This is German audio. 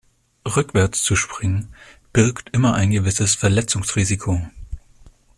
Rückwärts zu springen birgt immer ein gewisses Verletzungsrisiko.